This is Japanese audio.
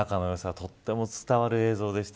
とっても伝わる映像でした。